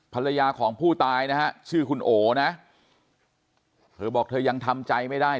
ภรรยาของผู้ตายนะฮะชื่อคุณโอนะเธอบอกเธอยังทำใจไม่ได้